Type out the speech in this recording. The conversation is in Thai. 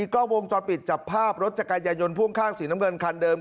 ก็วงจรปิดจับภาพรถจักรยายนพ่วงข้างสีน้ำเงินคันเดิม